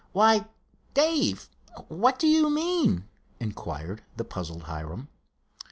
"Why, Dave, what do you mean?" inquired the puzzled Hiram.